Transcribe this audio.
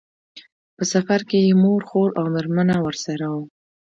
په سفر کې یې مور، خور او مېرمنه ورسره وو.